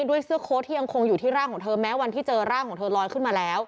ด้วยเสื้อโค้ดที่ยังคงอยู่ที่ร่างของเธอแม้วันที่เจอร่างของเธอลอยขึ้นมาแล้ว